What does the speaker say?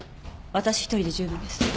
私一人で十分です。